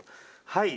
「はい！」